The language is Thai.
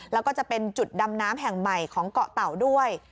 แล้วก็จะเป็นจุดดำน้ำแห่งใหม่ของเกาะเต่าด้วย